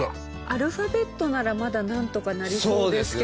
アルファベットならまだなんとかなりそうですけど。